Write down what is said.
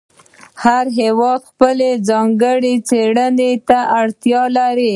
هر هېواد خپلې ځانګړې څېړنې ته اړتیا لري.